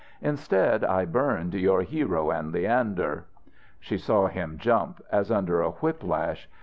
Instead, I burned your 'Hero and Leander'." She saw him jump, as under a whip lash.